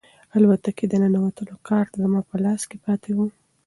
الوتکې ته د ننوتلو کارت زما په لاس کې پاتې و.